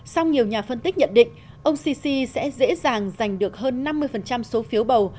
song nhiều nhà phân tích nhận định ông sisi sẽ dễ dàng giành được hơn năm mươi số phiếu bầu